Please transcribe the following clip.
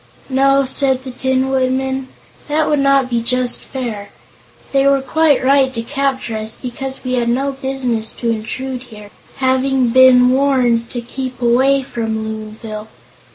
"No," said the Tin Woodman, "that would not be just fair. They were quite right to capture us, because we had no business to intrude here, having been warned to keep away from Loonville.